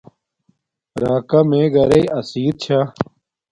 راکا میے گھرݵ اسیر چھا